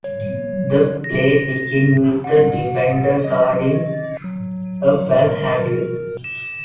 The play begins with a defender guarding a ballhandler.